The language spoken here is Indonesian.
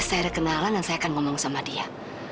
saya ada kenalan dan saya akan ngomong sama dia